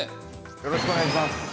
よろしくお願いします。